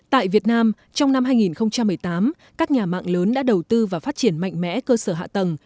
tại việt nam trong năm hai nghìn một mươi tám các nhà mạng lớn đã đầu tư và phát triển mạnh mẽ cơ sở hạ tầng